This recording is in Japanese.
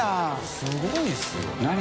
すごいですよね。